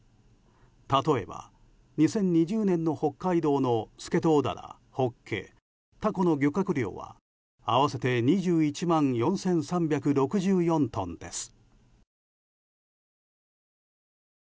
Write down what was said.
例えば、２０２０年の北海道のスケトウダラホッケ、タコの漁獲量は合わせて２１万４３６４トンです。